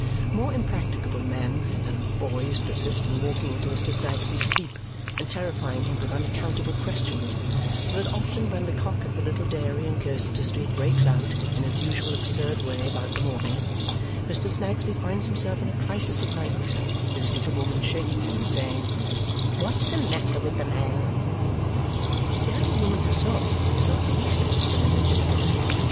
More impracticable men and boys persist in walking into Mr. Snagsby's sleep and terrifying him with unaccountable questions, so that often when the cock at the little dairy in Cursitor Street breaks out in his usual absurd way about the morning, Mr. Snagsby finds himself in a crisis of nightmare, with his little woman shaking him and saying "What's the matter with the man!" The little woman herself is not the least item in his difficulty.